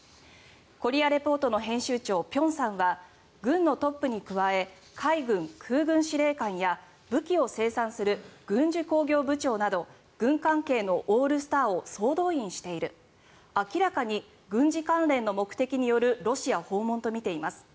「コリア・レポート」の編集長辺さんは軍のトップに加え海軍・空軍司令官や武器を生産する軍需工業部長など軍関係のオールスターを総動員している明らかに軍事関連の目的によるロシア訪問とみています。